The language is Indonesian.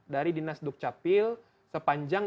dari dinas dukcapil sepanjang